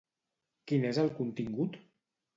Quin és el contingut?